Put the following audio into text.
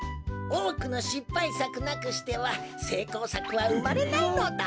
おおくのしっぱいさくなくしてはせいこうさくはうまれないのだ。